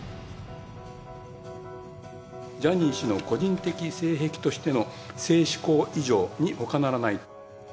ジャニー氏の個人的性癖としての性嗜好異常に他ならない。